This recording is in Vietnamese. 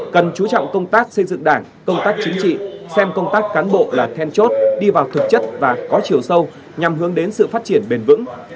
cần chú trọng công tác xây dựng đảng công tác chính trị xem công tác cán bộ là then chốt đi vào thực chất và có chiều sâu nhằm hướng đến sự phát triển bền vững